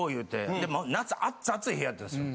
で夏暑い暑い日やったんですよ。